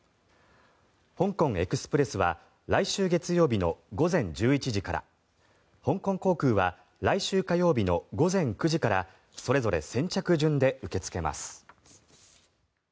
香港エクスプレスは来週月曜日の午前１１時から香港航空は来週火曜日の午前９時からそれぞれ先着順で受け付けます。